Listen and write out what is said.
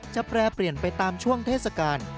แปรเปลี่ยนไปตามช่วงเทศกาล